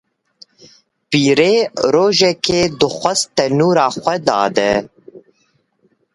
Pîrê rojekê dixwest tenûra xwe dade.